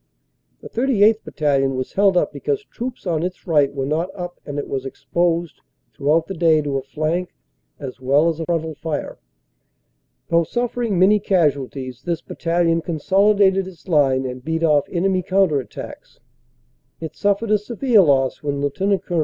The 38th. Battalion was held up because troops on its right were not up and it was exposed throughout the day to a flank as well as frontal fire. Though suffering many casualties, this battalion consolidated its line and beat off enemy counter at tacks. It suffered a severe loss when Lt. Col. S.